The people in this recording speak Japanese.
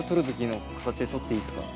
で撮っていいですか？